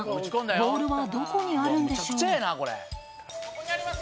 ボールはどこにあるんでしょう？